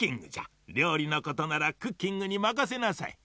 りょうりのことならクッキングにまかせなさい。